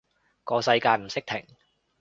個世界唔識停